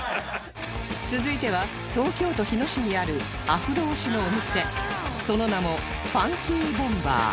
続いては東京都日野市にあるアフロ推しのお店その名もファンキーボンバー